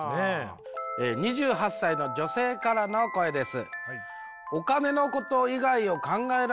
２８歳の女性からの声です。